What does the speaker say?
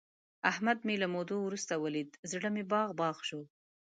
احمد مې له مودو ورسته ولید، زړه مې باغ باغ شو.